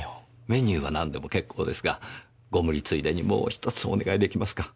メニューは何でも結構ですがご無理ついでにもう１つお願いできますか？